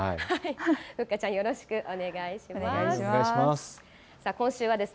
ふっかちゃん、よろしくお願いします。